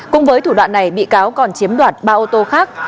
cùng với thủ đoạn này bị cáo còn chiếm đoạt ba ô tô khác